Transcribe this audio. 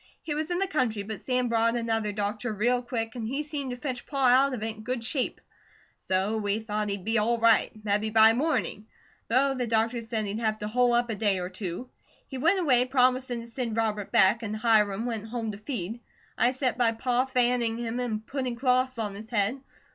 He was in the country but Sam brought another doctor real quick, an' he seemed to fetch Pa out of it in good shape, so we thought he'd be all right, mebby by morning, though the doctor said he'd have to hole up a day or two. He went away, promisin' to send Robert back, and Hiram went home to feed. I set by Pa fanning him an' putting cloths on his head.